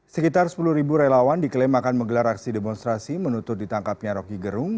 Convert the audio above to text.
sekitar sepuluh relawan diklaim akan menggelar aksi demonstrasi menutup ditangkapnya rocky gerung